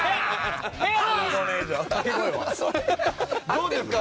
どうですか？